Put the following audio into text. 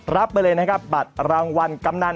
รับไปเลยนะครับบัตรรางวัลกำนัน